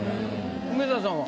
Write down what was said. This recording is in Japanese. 梅沢さんは？